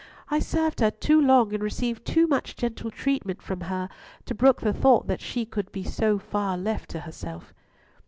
"I served her too long, and received too much gentle treatment from her, to brook the thought that she could be so far left to herself."